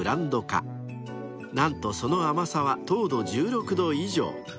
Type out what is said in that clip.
［何とその甘さは糖度１６度以上］